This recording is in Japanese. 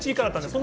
す。